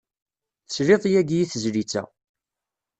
Tesliḍ yagi i tezlit-a.